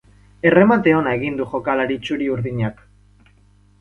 Erremate ona egin du jokalari txuri-urdinak.